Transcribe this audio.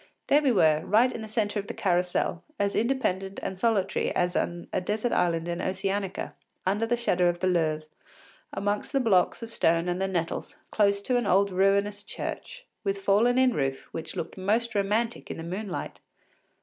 There we were, right in the centre of the Carrousel, as independent and solitary as on a desert island in Oceanica, under the shadow of the Louvre, among the blocks of stone and the nettles, close to an old ruinous church, with fallen in roof which looked most romantic in the moonlight.